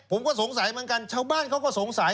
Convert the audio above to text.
ผมก็สงสัยเหมือนกันชาวบ้านเขาก็สงสัย